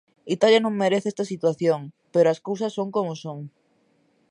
Italia non merece está situación, pero as cousas son como son.